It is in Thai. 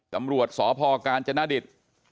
ตำรวจสพกาญจนดิต